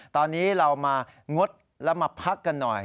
ตอนนี้เรามางดแล้วมาพักกันหน่อย